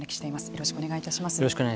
よろしくお願いします。